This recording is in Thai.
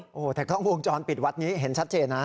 โอ้โหแต่กล้องวงจรปิดวัดนี้เห็นชัดเจนนะ